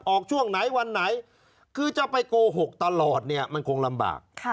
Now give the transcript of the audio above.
ช่วงไหนวันไหนคือจะไปโกหกตลอดเนี่ยมันคงลำบาก